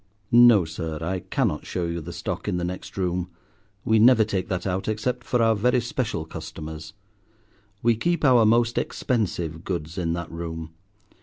"No, sir, I cannot show you the stock in the next room, we never take that out except for our very special customers. We keep our most expensive goods in that room.